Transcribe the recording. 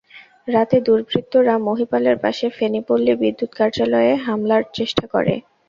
রাতে দুর্বৃত্তরা মহিপালের পাশে ফেনী পল্লী বিদ্যুৎ কার্যালয়ে হামলার চেষ্টা করে।